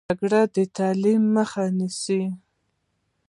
جګړه د تعلیم مخه نیسي